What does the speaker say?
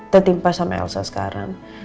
tetimpa sama elsa sekarang